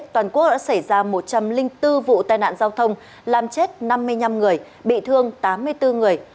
toàn quốc đã xảy ra một trăm linh bốn vụ tai nạn giao thông làm chết năm mươi năm người bị thương tám mươi bốn người